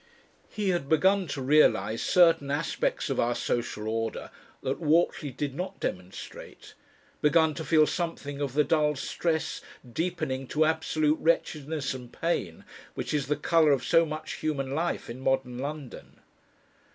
V.)." He had begun to realise certain aspects of our social order that Whortley did not demonstrate, begun to feel something of the dull stress deepening to absolute wretchedness and pain, which is the colour of so much human life in modern London.